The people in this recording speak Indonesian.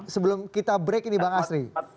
sebelum kita break ini bang asri